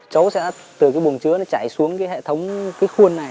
chấu sẽ từ cái buồng chứa nó chảy xuống cái hệ thống cái khuôn này